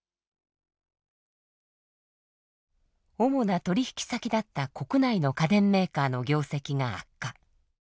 主な取引先だった国内の家電メーカーの業績が悪化。